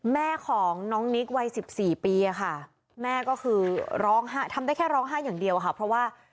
แม่ของน้องนิกวัย๑๔ปีค่ะแม่ก็คือร้องไห้ทำได้แค่ร้องไห้อย่างเดียวค่ะเพราะว่า